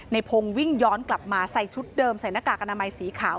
พงศ์วิ่งย้อนกลับมาใส่ชุดเดิมใส่หน้ากากอนามัยสีขาว